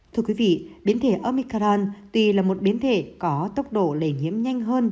thưa quý vị biến thể omicron tuy là một biến thể có tốc độ lề nhiễm nhanh hơn